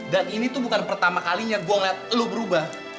dan ini tuh bukan pertama kalinya gue ngeliat lo berubah